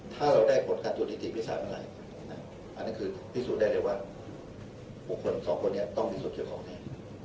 ถ้าเราได้ผลการจุดถิติพฤษภัยเมื่อไหร่พิสูจน์ได้เลยว่า๖คน๒คนเนี่ยต้องพิสูจน์เกี่ยวของเนี่ย